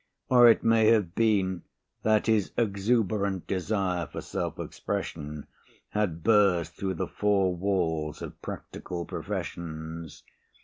Or it may have been that his exuberant desire for self expression had burst through the four walls of practical professions.